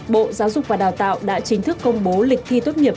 bộ giáo dục và đào tạo đã chính thức công bố lịch thi tốt nghiệp